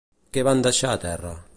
Què van deixar a terra?